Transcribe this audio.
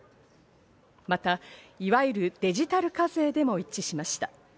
また、いわゆるデジタル課税でも一致しました。